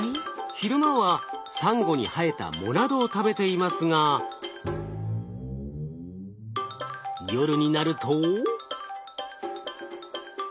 昼間はサンゴに生えた藻などを食べていますが夜になると。